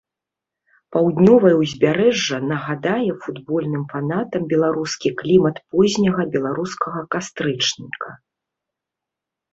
Паўднёвае ўзбярэжжа нагадае футбольным фанатам беларускі клімат позняга беларускага кастрычніка.